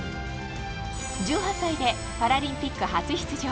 １８歳でパラリンピック初出場。